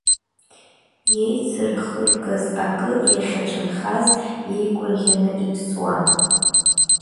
Иеицырхыргаз акы иахьацәынхаз иеигәырӷьаны иԥсуан.